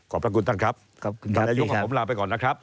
ขอบพระคุณตั้งครับท่านนายกสมาคมลาไปก่อนนะครับ